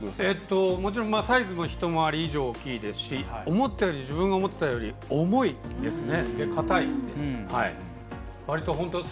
もちろんサイズも一回り以上大きいですし自分が思っていたより重いですね。